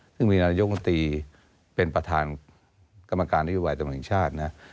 ซึ่งมีนายกมนตรีเป็นประธานกรรมการนโยบายตำรวจแห่งชาตินะ